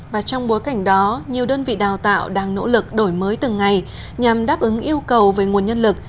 và trong bối cảnh đó nhiều đơn vị đào tạo đang nỗ lực đổi mới từng ngày nhằm đáp ứng yêu cầu về nguồn nhân lực